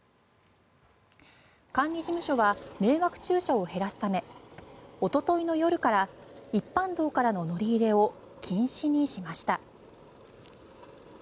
管理事務所は迷惑駐車を減らすためおとといの夜から一般道からの乗り入れを禁止にしました。